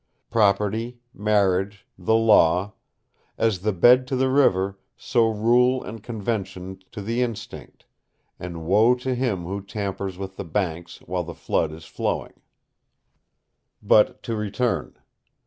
Property, marriage, the law; as the bed to the river, so rule and convention to the instinct; and woe to him who tampers with the banks while the flood is flowing. But to return.